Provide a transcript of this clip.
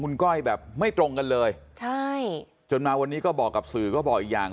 คุณก้อยแบบไม่ตรงกันเลยใช่จนมาวันนี้ก็บอกกับสื่อก็บอกอีกอย่าง